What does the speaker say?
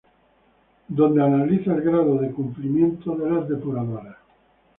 donde analiza el grado de cumplimiento de las depuradoras